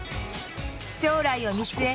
将来を見据え